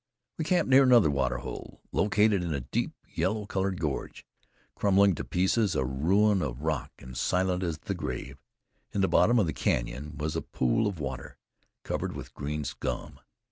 We camped near another water hole, located in a deep, yellow colored gorge, crumbling to pieces, a ruin of rock, and silent as the grave. In the bottom of the canyon was a pool of water, covered with green scum.